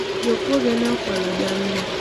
Jokuoge ne okualo jamni